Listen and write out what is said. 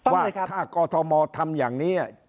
ว่าถ้ากอทมทำอย่างนี้